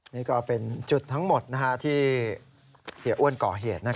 นี่ก็เป็นจุดทั้งหมดที่เสียอ้วนก่อเหตุ